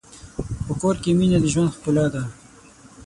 په کور کې مینه د ژوند ښکلا ده.